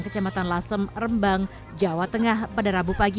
kecamatan lasem rembang jawa tengah pada rabu pagi